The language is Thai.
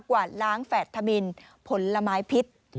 กว่านล้างแฟทามินผลละไมภิษ